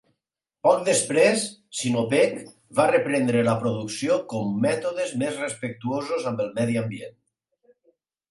Poc després, Sinopec va reprendre la producció con mètodes més respectuosos amb el medi ambient.